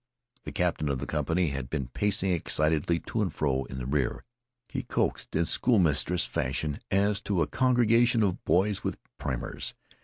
The captain of the company had been pacing excitedly to and fro in the rear. He coaxed in schoolmistress fashion, as to a congregation of boys with primers.